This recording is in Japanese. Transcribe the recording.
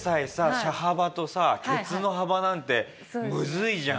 車幅とさケツの幅なんてむずいじゃん。